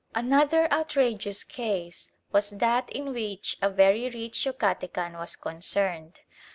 Another outrageous case was that in which a very rich Yucatecan was concerned.